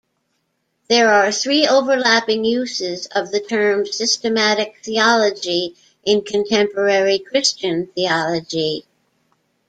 There are three overlapping uses of the term 'systematic theology' in contemporary Christian theology.